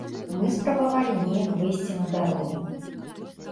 Мы спрабавалі неяк выйсці на дарогу.